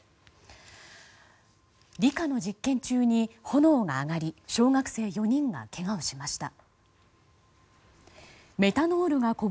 理科の実験中に炎が上がり小学生４人がけがをしました。